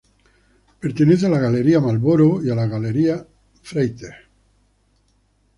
Pertenece a la Galería Marlborough y a la Galería Freites.